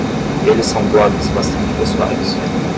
Eles são blogs bastante pessoais.